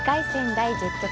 第１０局。